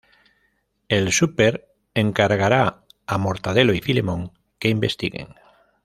El "Súper" encargará a Mortadelo y Filemón que investiguen.